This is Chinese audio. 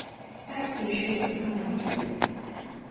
她也是喜欢聊天的人